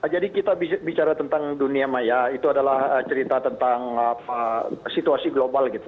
jadi kita bicara tentang dunia maya itu adalah cerita tentang situasi global gitu